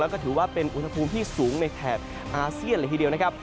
แล้วก็ถือว่าเป็นอุณหภูมิที่สูงในแถบอาเซียนเลยทีเดียวนะครับ